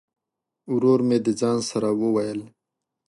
ورور مي د ځان سره وویل !